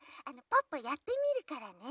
ポッポやってみるからね？